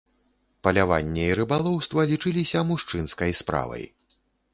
Паляванне і рыбалоўства лічыліся мужчынскай справай.